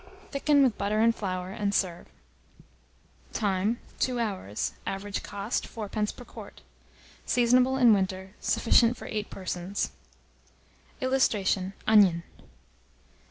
Thicken with butter and flour, and serve. Time. 2 hours. Average cost,4d. per quart. Seasonable in winter. Sufficient for 8 persons. [Illustration: ONION.